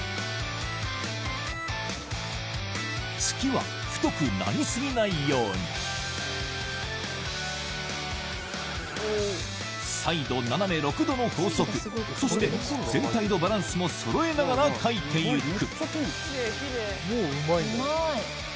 「月」は太くなり過ぎないように再度斜め６度の法則そして全体のバランスもそろえながら書いてゆくうまい。